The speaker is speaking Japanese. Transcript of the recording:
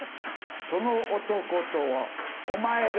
その男とはお前だ。